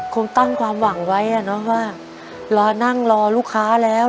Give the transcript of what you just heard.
คงตั้งความหวังไว้อ่ะเนาะว่ารอนั่งรอลูกค้าแล้ว